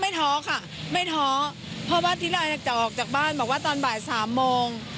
ท้อค่ะไม่ท้อเพราะว่าที่เราจะออกจากบ้านบอกว่าตอนบ่ายสามโมง